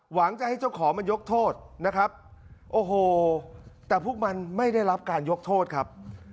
หวังจะให้เจ้าของมันยกโทษนะครับโอ้โหแต่พวกมันไม่ได้รับการยกโทษครับ